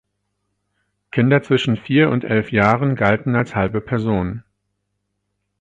Kinder zwischen vier und elf Jahren galten als halbe Personen.